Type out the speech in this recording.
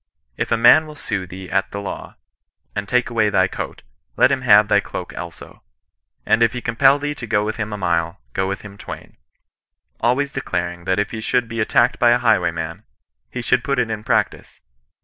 —* If a man will sue thee at the CHRISTIAN NON EESISTANOB. 113 law, and take away thy coat, let him have thy cloak also ; and if he compel thee to go with him a mile, go with him twain/ — ^ways declaring that if he shoidd be at tacked by a highwayman, he should put it in practice.